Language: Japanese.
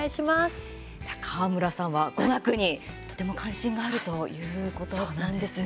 川村さんは語学にとても関心があるということなんですね。